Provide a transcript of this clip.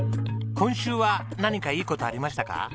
今週は何かいい事ありましたか？